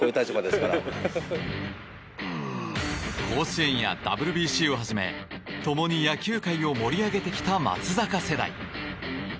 甲子園やＷＢＣをはじめ共に野球界を盛り上げてきた松坂世代。